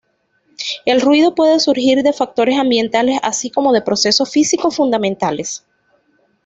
El ruido puede surgir de factores ambientales, así como de procesos físicos fundamentales.